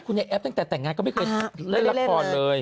คุณเนคแอฟตั้งแต่แต่งงานก็ไม่เคยเล่นแรกภพเลย